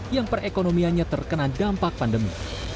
yang perekonomiannya terkena dampak pandemi